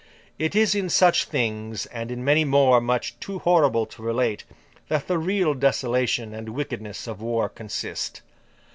It is in such things, and in many more much too horrible to relate, that the real desolation and wickedness of war consist.